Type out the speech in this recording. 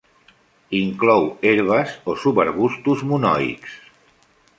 Inclou herbes o subarbustos monoics.